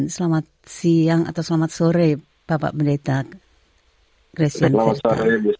selamat tahun baru bapak bendaita